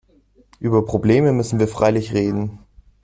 Über Probleme müssen wir freilich reden.